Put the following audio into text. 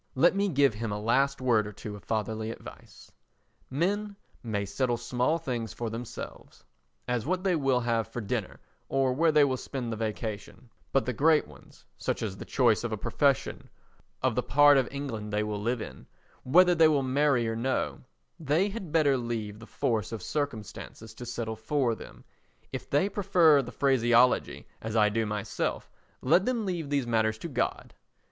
Let me give him a last word or two of fatherly advice. Men may settle small things for themselves—as what they will have for dinner or where they will spend the vacation—but the great ones—such as the choice of a profession, of the part of England they will live in, whether they will marry or no—they had better leave the force of circumstances to settle for them; if they prefer the phraseology, as I do myself, let them leave these matters to God.